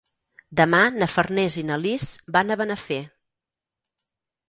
Demà na Farners i na Lis van a Benafer.